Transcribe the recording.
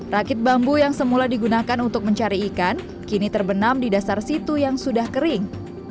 rakit bambu yang semula digunakan untuk mencari ikan kini terbenam di dasar situ yang sudah kering